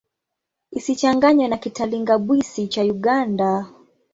Isichanganywe na Kitalinga-Bwisi cha Uganda.